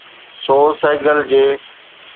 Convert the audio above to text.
سو سهگل جي.